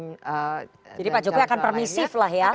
jadi pak jokowi akan permisif lah ya